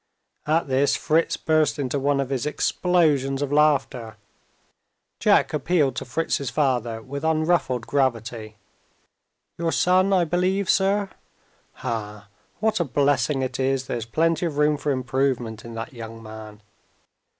At this, Fritz burst into one of his explosions of laughter. Jack appealed to Fritz's father, with unruffled gravity. "Your son, I believe, sir? Ha! what a blessing it is there's plenty of room for improvement in that young man.